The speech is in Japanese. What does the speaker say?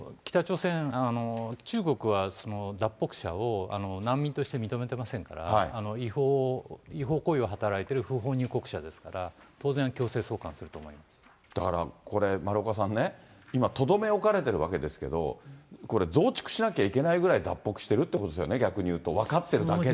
中国は脱北者を難民として認めてませんから、違法行為を働いている不法入国者ですから、当然、強制送還するとだからこれ、丸岡さんね、今、とどめ置かれているわけですけれども、これ、増築しなきゃいけないぐらい脱北してるっていうことですよね、逆に言うと、分かっているだけで。